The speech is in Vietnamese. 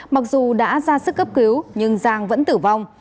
mặc dù đã ra sức cấp cứu nhưng giang vẫn tử vong